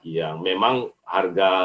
yang memang harga